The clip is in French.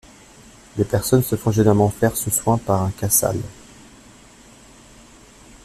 Les personnes se font généralement faire ce soin par un kassal.